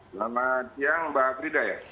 selamat siang mbak frida ya